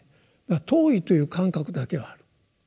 遠いという感覚だけはある。